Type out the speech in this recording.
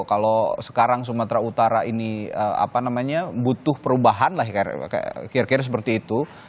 kalau sekarang sumatera utara ini butuh perubahan lah kira kira seperti itu